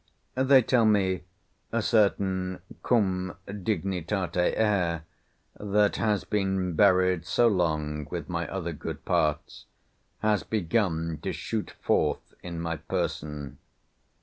They tell me, a certain cum dignitate air, that has been buried so long with my other good parts, has begun to shoot forth in my person.